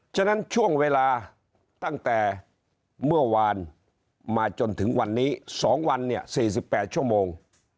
ฉะนั้นช่วงเวลาตั้งแต่เมื่อวานมาจนถึงวันนี้๒วันเนี่ย๔๘ชั่วโมง